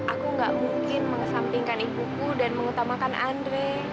aku gak mungkin mengesampingkan ibuku dan mengutamakan andre